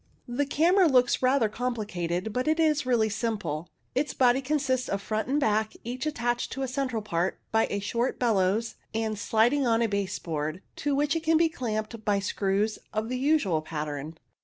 The camera looks rather complicated, but it is really simple. Its body consists of front and back, each attached to a central part by a short bellows and sliding on a base board, to which it can be clamped by screws of the usual pattern.